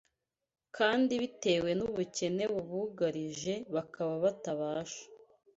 kandi bitewe n’ubukene bubugarije bakaba batabasha